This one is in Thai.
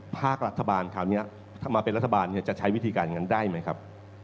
ภาครัฐบาลคราวนี้ถ้ามาเป็นรัฐบาลจะใช้วิธีการอย่างนั้นได้ไหมครับ